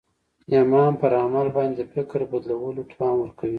ایمان پر عمل باندې د فکر بدلولو توان ورکوي